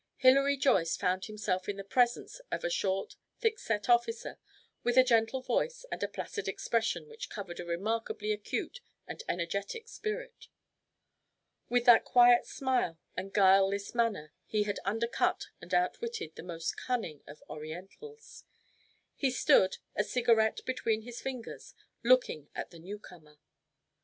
Hilary Joyce found himself in the presence of a short, thick set officer, with a gentle voice and a placid expression which covered a remarkably acute and energetic spirit. With that quiet smile and guileless manner he had undercut and outwitted the most cunning of Orientals. He stood, a cigarette between his fingers, looking at the newcomer.